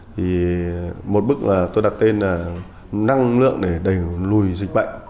thì một bức là tôi đặt tên là năng lượng để đẩy lùi dịch bệnh